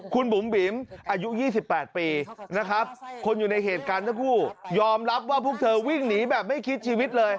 คุณบุ๋มบี๋มอายุ๒๘ปี